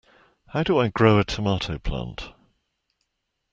How do I grow a tomato plant?